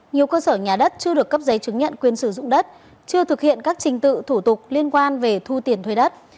nhiều cơ sở nhà đất chưa được cấp giấy chứng nhận quyền sử dụng đất chưa thực hiện các trình tự thủ tục liên quan về thu tiền thuê đất